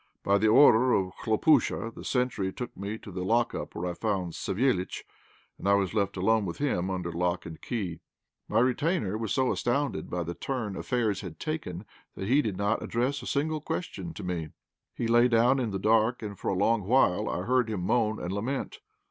By the order of Khlopúsha the sentry took me to the lockup, where I found Savéliitch, and I was left alone with him under lock and key. My retainer was so astounded by the turn affairs had taken that he did not address a single question to me. He lay down in the dark, and for a long while I heard him moan and lament.